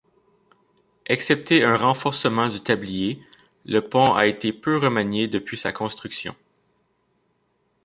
Excepté un renforcement du tablier, le pont a été peu remanié depuis sa construction.